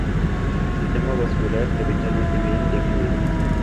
Sistema vascular habitualmente bien definido.